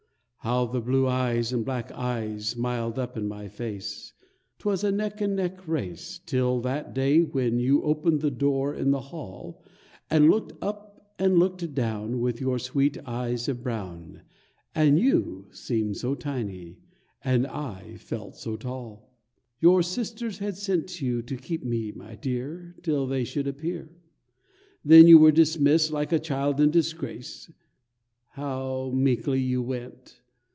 How the blue eyes and black eyes smiled up in my face! 'T was a neck and neck race, Till that day when you opened the door in the hall, And looked up and looked down, With your sweet eyes of brown, And you seemed so tiny, and I felt so tall. Your sisters had sent you to keep me, my dear, Till they should appear. Then you were dismissed like a child in disgrace. How meekly you went!